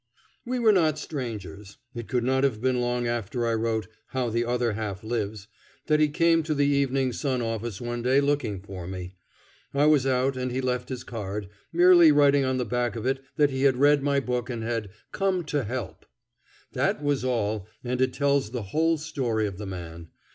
We were not strangers. It could not have been long after I wrote "How the Other Half Lives" that he came to the Evening Sun office one day looking for me. I was out, and he left his card, merely writing on the back of it that he had read my book and had "come to help." That was all, and it tells the whole story of the man.